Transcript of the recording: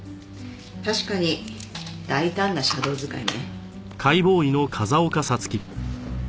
確かに大胆なシャドー使いね。